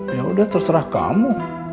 yaudah terserah kamu